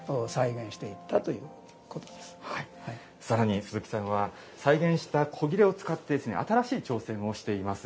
更に鈴木さんは再現した古裂を使って新しい挑戦をしています。